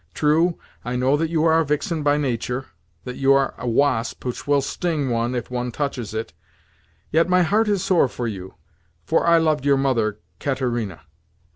True, I know that you are a vixen by nature—that you are a wasp which will sting one if one touches it—yet, my heart is sore for you, for I loved your mother, Katerina.